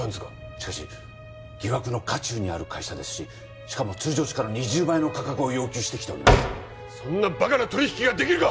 しかし疑惑の渦中にある会社ですししかも通常地価の２０倍の価格を要求してきておりそんなバカな取引ができるか！